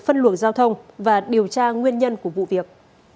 phân luồng giao thông và điều tra nguyên nhân của vụ việc